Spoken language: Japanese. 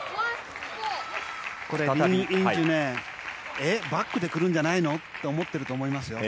リン・インジュはバックで来るんじゃないの？って思ってると思いますよ。